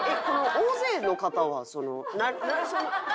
大勢の方。